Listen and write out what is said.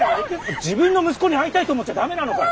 自分の息子に会いたいと思っちゃダメなのかよ！